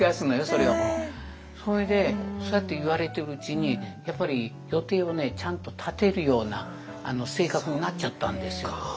それでそうやって言われてるうちにやっぱり予定をねちゃんと立てるような性格になっちゃったんですよ。